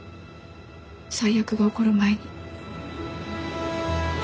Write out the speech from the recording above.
「最悪」が起こる前に。